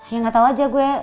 ya gak tau aja gue